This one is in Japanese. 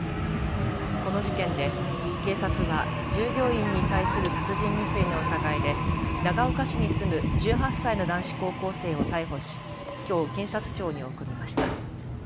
この事件で警察は従業員に対する殺人未遂の疑いで長岡市に住む１８歳の男子高校生を逮捕しきょう検察庁に送りました。